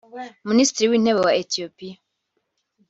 Minisitiri w’intebe wa Ethiopia